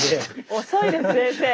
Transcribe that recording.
遅いです先生。